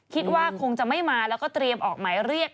คิดว่าคงจะไม่มาแล้วก็เตรียมออกหมายเรียก